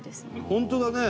「本当だね」